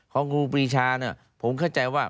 ของครูปีชาเนี่ยผมเข้าใจว่า